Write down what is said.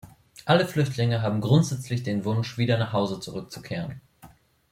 Alle Flüchtlinge haben grundsätzlich den Wunsch, wieder nach Hause zurückzukehren.